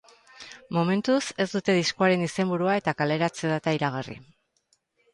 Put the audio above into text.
Momentuz ez dute diskoaren izenburua eta kaleratze-data iragarri.